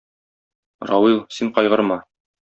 Равил, син кайгырма.